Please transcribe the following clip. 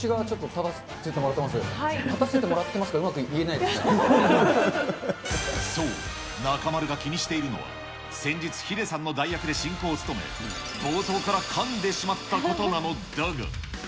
立たせてもらってますがうまく言そう、中丸が気にしているのは、先日、ヒデさんの代役で進行を務め、冒頭からかんでしまったことなのだが。